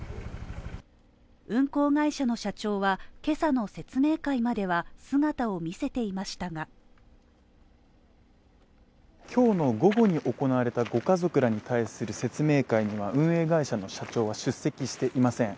運航会社の社長は今朝の説明会までは姿を見せていましたが今日の午後に行われたご家族らに対する説明会には運営会社の社長は出席していません。